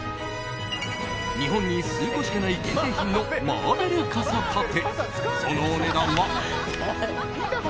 日本に数個しかない限定品のマーベル傘立て。